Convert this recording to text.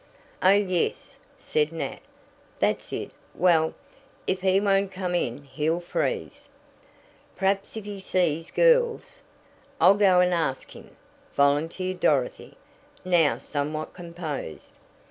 "Oh, yes," said Nat. "That's it. Well, if he won't come in he'll freeze." "Perhaps if he sees girls I'll go and ask him," volunteered Dorothy, now somewhat composed.